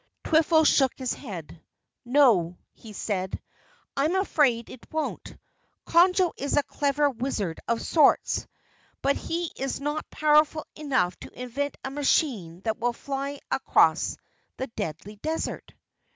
Twiffle shook his head. "No," he said, "I'm afraid it won't. Conjo is a clever wizard of sorts, but he is not powerful enough to invent a machine that will fly across the Deadly Desert."